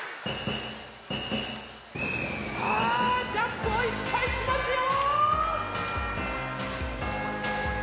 さあジャンプをいっぱいしますよ！